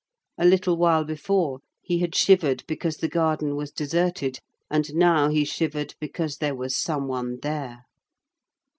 A little while before he had shivered because the garden was deserted, and now he shivered because there was some one there.